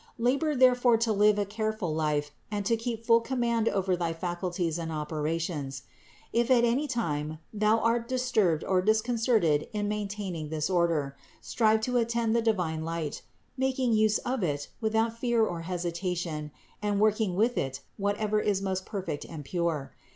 Labor therefore to live a careful life and to keep full command over thy faculties and opera tions. If at any time thou art disturbed or disconcerted in maintaining this order, strive to attend the divine light, making use of it without fear or hesitation and working with it whatever is most perfect and pure.